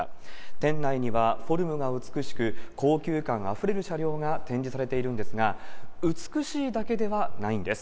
店内には、フォルムが美しく高級感あふれる車両が展示されているんですが、美しいだけではないんです。